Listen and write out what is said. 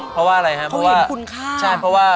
เพราะว่าอะไรครับเพราะว่า